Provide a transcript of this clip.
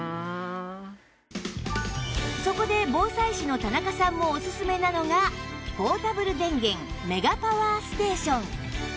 そこで防災士の田中さんもおすすめなのがポータブル電源メガパワーステーション